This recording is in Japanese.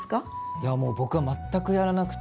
いやもう僕は全くやらなくて。